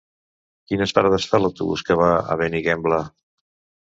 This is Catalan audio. Quines parades fa l'autobús que va a Benigembla?